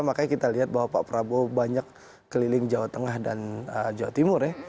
makanya kita lihat bahwa pak prabowo banyak keliling jawa tengah dan jawa timur ya